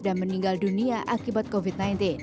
dan meninggal dunia akibat covid sembilan belas